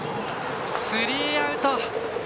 スリーアウト。